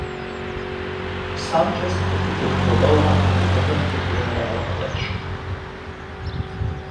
Sanchez defeated Cordova in the November general election.